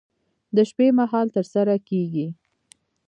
د شپې مهال ترسره کېږي.